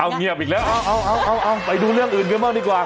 เอาเงียบอีกแล้วเอาเอาเอาเอาไปดูเรื่องอื่นเยอะมากดีกว่า